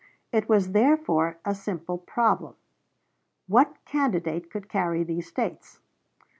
It was therefore a simple problem: What candidate could carry these States?